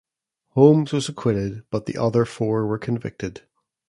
Holmes was acquitted but the other four were convicted.